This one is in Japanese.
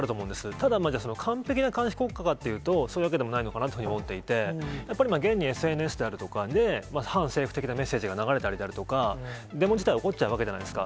ただ、完璧な監視国家かというと、そういうわけでもないのかなと思っていて、やっぱり現に、ＳＮＳであるとかで、反政府的なメッセージが流れたりであるとか、デモ自体、起こっちゃうわけじゃないですか。